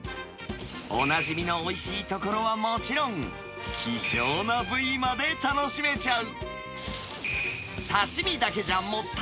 おなじみのおいしいところはもちろん、希少な部位まで楽しめちゃう。